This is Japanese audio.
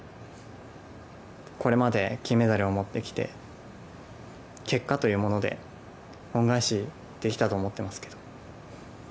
これまで金メダルを持ってきて結果というもので恩返しできたと思ってますけど。